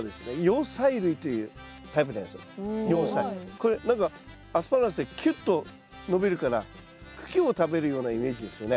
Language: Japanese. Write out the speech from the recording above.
これアスパラガスってキュッと伸びるから茎を食べるようなイメージですよね。